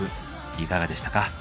いかがでしたか？